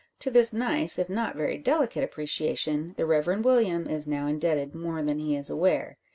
To this nice, if not very delicate appreciation, the Reverend William is now indebted more than he is aware.